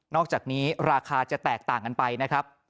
อกจากนี้ราคาจะแตกต่างกันไปนะครับ